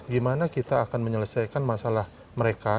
gimana kita akan menyelesaikan masalah mereka